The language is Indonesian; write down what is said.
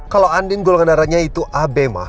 kalau andin golongan darahnya itu ab ma